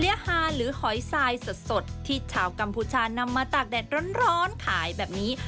ฮาหรือหอยทรายสดที่ชาวกัมพูชานำมาตากแดดร้อนขายแบบนี้